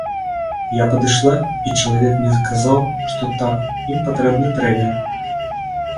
Я падышла, і чалавек мне сказаў, што так, ім патрэбны трэнер.